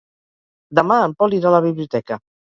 Demà en Pol irà a la biblioteca.